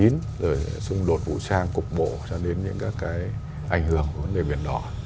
rồi xung đột vũ trang cục bộ cho đến những các cái ảnh hưởng của vấn đề biển đỏ